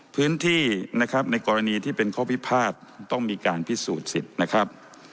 พื้นที่นะครับในกรณีที่เป็นข้อพิพาทต้องมีการพิสูจน์สิทธิ์นะครับ